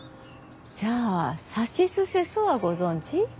じゃあ「さしすせそ」はご存じ？